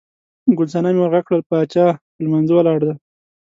ګل صنمې ور غږ کړل، باچا په لمانځه ولاړ دی.